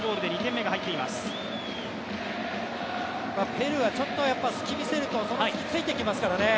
ペルーはちょっと隙を見せると、その隙を突いてきますからね。